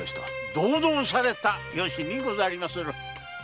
同道された由にござりまする。